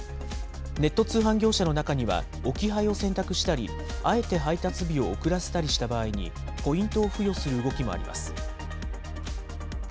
ネット通販業者の中には置き配を選択したり、あえて配達日を遅らせたりした場合に、ポイントを付与する動きもあります。